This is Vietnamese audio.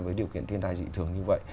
với điều kiện thiên tai dị thường như vậy